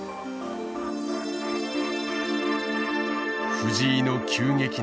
藤井の急激な進化。